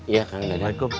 iya kak dadang